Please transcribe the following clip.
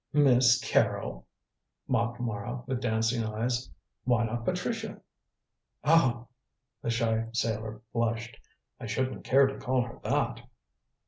"Miss Carrol!" mocked Mara, with dancing eyes. "Why not Patricia?" "Oh!" the shy sailor blushed. "I shouldn't care to call her that."